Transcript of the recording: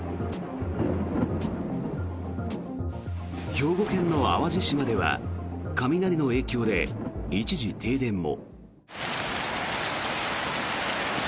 兵庫県の淡路島では雷の影響で一時停電も。